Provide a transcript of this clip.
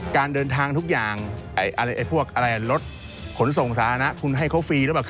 การเดินทางทุกอย่างรถขนส่งสาธารณะคุณให้เขาฟรี